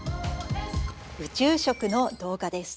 宇宙食の動画です。